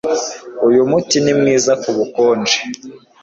Uyu muti ni mwiza kubukonje